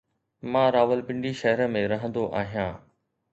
مان راولپنڊي شهر ۾ رهندو آهيان.